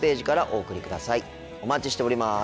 お待ちしております。